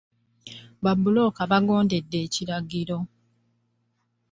Babbulooka baagondedde ekiragiro.